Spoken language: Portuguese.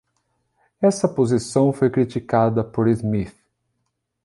Essa posição foi criticada por Smith.